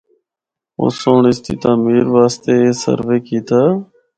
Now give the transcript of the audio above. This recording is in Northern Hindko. اُس سنڑ اس دی تعمیر واسطے اے سروے کیتا۔